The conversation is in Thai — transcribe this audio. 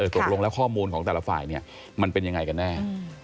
ตกลงแล้วข้อมูลของแต่ละฝ่ายมันเป็นยังไงกันแน่